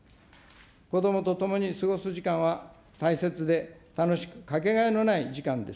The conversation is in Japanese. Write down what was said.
子どもとともに過ごす時間は大切で楽しく、掛けがえのない時間です。